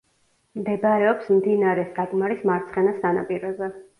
მდებარეობს მდინარე საკმარის მარცხენა სანაპიროზე.